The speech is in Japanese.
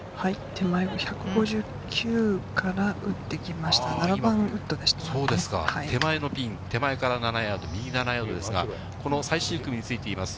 手前の１５９から打ってきま手前のピン、手前から７ヤード、右７ヤードですが、この最終組についています